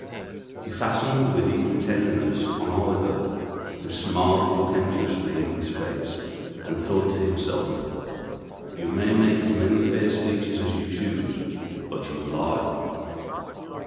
He fastened with equal tenderness on Oliver, who smiled contemptuously in his face, and thought to himself, "You may make as many fair speeches as you choose, but you lie."